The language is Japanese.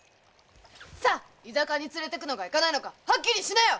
さあ居酒屋に連れてくのかいかないのかはっきりしなよ！